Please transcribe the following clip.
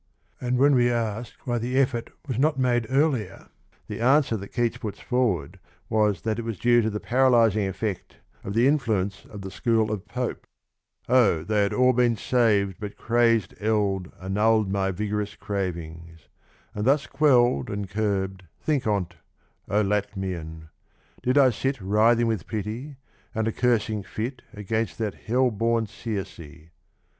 And w^hen we ask why the effort was not made earlier, the answer that Keats puts forward is that it was due to the paralysing effect of the influence of the school of Pope : 62 O they had all been sav'd but crazed eld Annull'd my vigorous cravings : and thus qutU'd And curb'd, think on't, O Latmian! did I sit Writhing with pity, and a cursing fit Against that hell born Circe.